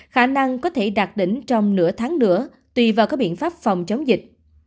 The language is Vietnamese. khả năng có thể đạt đỉnh trong nửa tháng nữa tùy vào các biện pháp phòng chống dịch